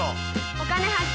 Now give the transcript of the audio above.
「お金発見」。